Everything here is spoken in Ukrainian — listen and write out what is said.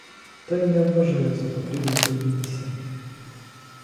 Та й не вважаю за потрібне таїтися.